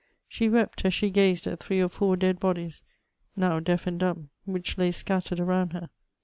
She wept as she gazed at three or four dead bodies — now deaf and dumb — which lay scattered around her.